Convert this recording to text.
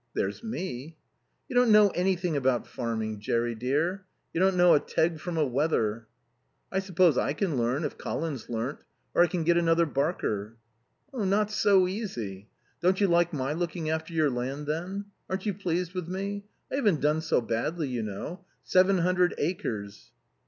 "There's me." "You don't know anything about farming, Jerry dear. You don't know a teg from a wether." "I suppose I can learn if Colin's learnt. Or I can get another Barker." "Not so easy. Don't you like my looking after your land, then? Aren't you pleased with me? I haven't done so badly, you know. Seven hundred acres."